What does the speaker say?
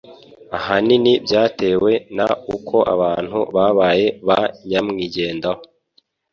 ahanini byatewe n uko abantu babaye ba nyamwigendaho